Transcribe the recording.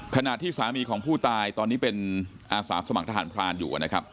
ขณะที่สามีของผู้ตายตอนนี้เป็นอาสาสมัครทหารพรานอยู่นะครับ